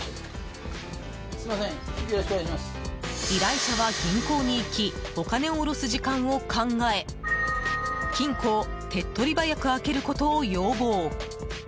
依頼者は、銀行に行きお金を下ろす時間を考え金庫を手っ取り早く開けることを要望。